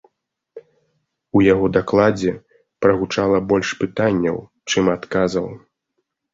У яго дакладзе прагучала больш пытанняў, чым адказаў.